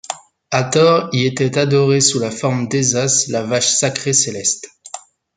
Hathor y était adorée sous la forme d'Hésat, la vache sacrée céleste.